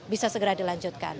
bisa segera dilanjutkan